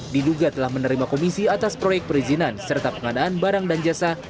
diduga telah menerima komisi atas proyek perizinan serta pengadaan barang dan jasa